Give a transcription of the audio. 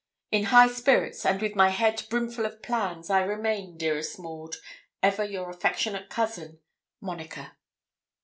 In high spirits, and with my head brimful of plans, I remain, dearest Maud, ever your affectionate cousin, MONICA.'